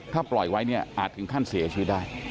ถ้าปล่อยไว้เนี่ยอาจถึงขั้นเสียชีวิตได้